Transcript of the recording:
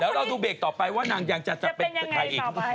แล้วเราดูเบรกต่อไปว่านางยังจะเป็นใครอีก